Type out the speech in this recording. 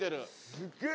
すげえ！